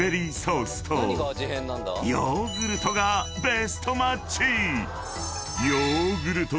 ［ヨーグルトがベストマッチ！］